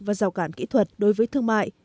và giao cản kỹ thuật đối với thương mại